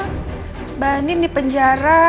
mbak andin dipenjara